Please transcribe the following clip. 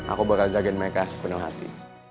aku bakal jagain meka sepenuh hati